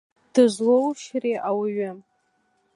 Дызлоушьри ауаҩы!